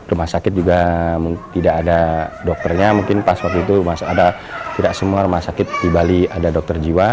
rumah sakit juga tidak ada dokternya mungkin pas waktu itu ada tidak semua rumah sakit di bali ada dokter jiwa